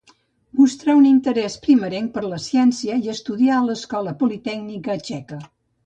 Mostrà un interès primerenc per la ciència i estudià a l'Escola Politècnica Txeca.